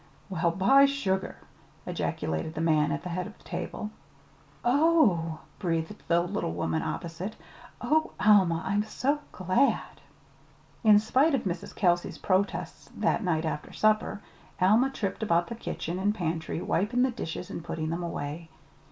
"Well, by sugar!" ejaculated the man at the head of the table. "Oh h h!" breathed the little woman opposite. "Oh, Alma, I'm so glad!" In spite of Mrs. Kelsey's protests that night after supper, Alma tripped about the kitchen and pantry wiping the dishes and putting them away.